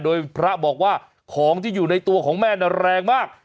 โดยพระบอกว่าของที่อยู่ในตัวของแม่น่ะแรงมาก